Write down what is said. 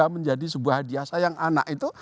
menjadi sebuah hadiah sayang anak itu